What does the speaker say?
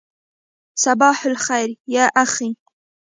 صباح الخیر یا اخی.